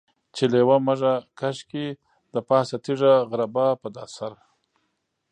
چې لېوه مږه کش کي دپاسه تيږه غربا په دا سر.